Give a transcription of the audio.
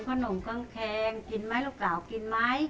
ของคุณยายถ้วน